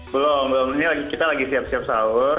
belum belum ini kita lagi siap siap sahur